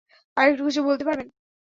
আরেকটু কিছু বলতে পারবেন?